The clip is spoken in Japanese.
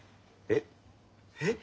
えっえっ！？